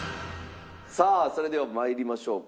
さあそれでは参りましょうか。